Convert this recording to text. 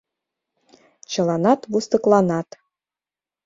Чыланат вустыкланат.